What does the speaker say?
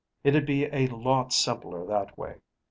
It'd be a lot simpler that way.